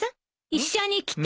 一緒に来て。